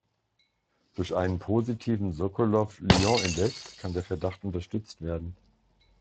Durch einen positiven Sokolow-Lyon-Index kann der Verdacht unterstützt werden.